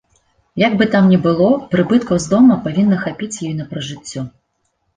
Як бы там ні было, прыбыткаў з дома павінна хапіць ёй на пражыццё.